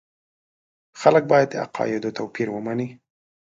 خلک باید د عقایدو توپیر ومني.